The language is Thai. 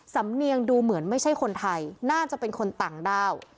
สำเนียงดูเหมือนไม่ใช่คนไทยน่าจะเป็นคนต่างด้าว